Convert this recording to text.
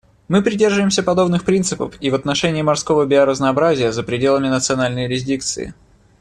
Мы придерживаемся подобных принципов и в отношении морского биоразнообразия за пределами национальной юрисдикции.